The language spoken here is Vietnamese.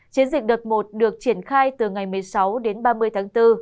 chiến dịch đợt một được triển khai từ ngày một mươi sáu đến ba mươi tháng bốn